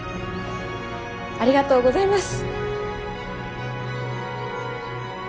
ありがとうございます。